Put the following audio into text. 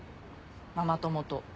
ママ友と。